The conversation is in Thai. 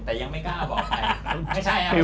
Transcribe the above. แต่ยังไม่กล้ากลอบแบบนั้น